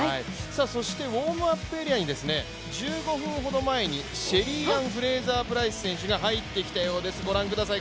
そしてウォームアップエリアに１５分ほど前にシェリーアン・フレイザープライス選手が入ってきたようです、ご覧ください